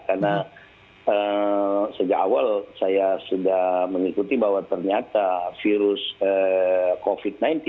karena sejak awal saya sudah mengikuti bahwa ternyata virus covid sembilan belas